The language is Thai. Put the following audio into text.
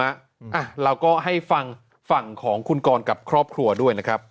อ่ะเราก็ให้ฟังฝั่งของคุณกรกับครอบครัวด้วยนะครับ